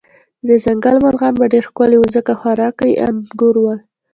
د دې ځنګل مرغان به ډېر ښکلي و، ځکه خوراکه یې انګور ول.